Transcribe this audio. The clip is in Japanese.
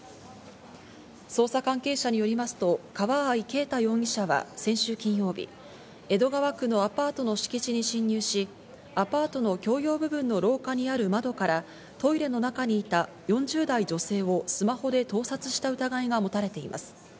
捜査関係者によりますと、川合啓太容疑者は先週金曜日、江戸川区のアパートの敷地に侵入し、アパートの共用部分の廊下にある窓からトイレの中にいた４０代女性をスマホで盗撮した疑いが持たれています。